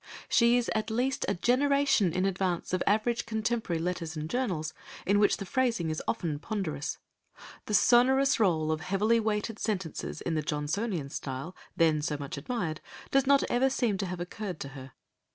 She is at least a generation in advance of average contemporary letters and journals, in which the phrasing is often ponderous; the sonorous roll of heavily weighted sentences in the Johnsonian style, then so much admired, does not ever seem to have occurred to her.